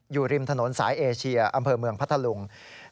อยู่ริมถนนสายเอเชียอำเภอเมืองพัทธลุง